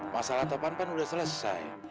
masalah topan kan udah selesai